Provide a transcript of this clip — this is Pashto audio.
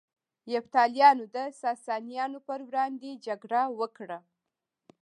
یفتلیانو د ساسانیانو پر وړاندې جګړه وکړه